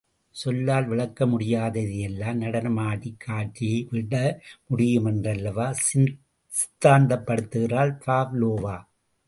சொல்லால் விளக்க முடியாததை எல்லாம் நடனம் ஆடிக்காட்டிவிட முடியும் என்றல்லவா சித்தாந்தப்படுத்துகிறாள் பாவ்லோவா!